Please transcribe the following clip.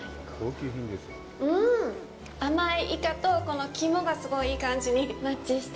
うん、甘いイカとこの肝がすごいいい感じにマッチして。